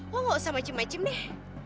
wah gak usah macem macem deh